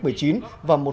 và một số vấn đề